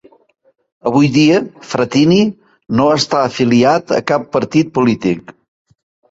Avui dia Frattini no està afiliat a cap partit polític.